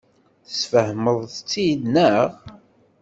Tesfehmeḍ-tt-id, naɣ?